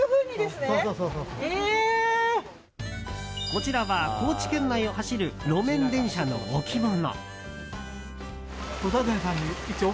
こちらは高知県内を走る路面電車の置物。